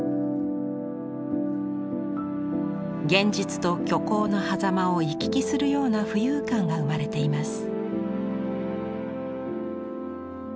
現実と虚構のはざまを行き来するような浮遊感が生まれています。